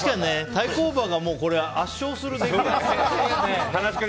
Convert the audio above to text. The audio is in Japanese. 対抗馬が圧勝するレース。